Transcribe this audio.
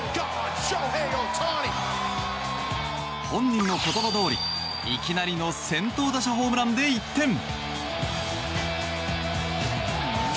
本人の言葉どおりいきなりの先頭打者ホームランで１点。